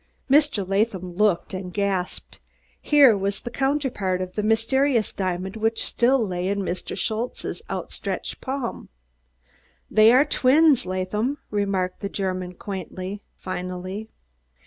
Mr. Latham looked and gasped! Here was the counterpart of the mysterious diamond which still lay in Mr. Schultze's outstretched palm. "Dey are dwins, Laadham," remarked the German quaintly, finally.